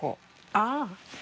ああ！